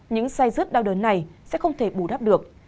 những say rớt đau đớn này sẽ không thể bù đắp được